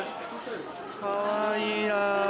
かわいいな。